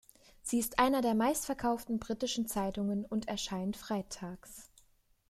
Sie ist eine der meistverkauften britischen Zeitungen und erscheint freitags.